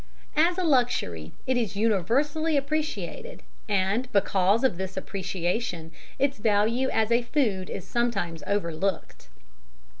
As a luxury it is universally appreciated, and because of this appreciation its value as a food is sometimes overlooked.